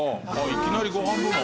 いきなりご飯部門？」